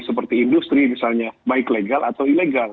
seperti industri misalnya baik legal atau ilegal